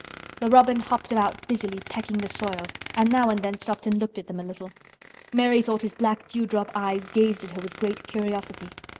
The robin hopped about busily pecking the soil and now and then stopped and looked at them a little. Mary thought his black dewdrop eyes gazed at her with great curiosity.